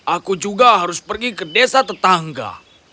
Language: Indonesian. aku juga harus pergi ke desa tetangga